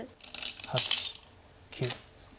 ８９。